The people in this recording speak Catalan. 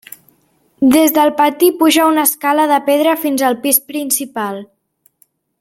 Des del pati puja una escala de pedra fins al pis principal.